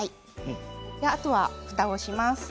あとは、ふたをします。